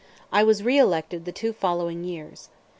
I was reelected the two following years.